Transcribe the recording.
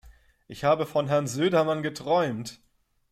Ich habe von Herrn Söderman geträumt!